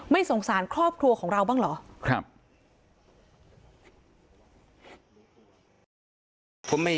ไม่สงสารครอบครัวของเราบ้างเหรอครับ